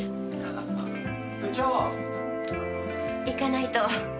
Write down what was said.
行かないと。